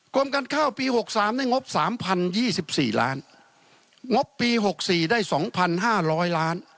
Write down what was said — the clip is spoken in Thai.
กรมการข้าวปี๖๓ได้งบ๓๐๒๔ล้านงบปี๖๔ได้๒๕๐๐ล้าน